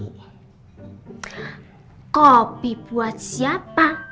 kopi buat siapa